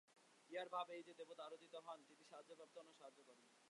ইহার ভাব এই যে দেবতা আরাধিত হন, তিনি সাহায্যপ্রাপ্ত হন ও সাহায্য করেন।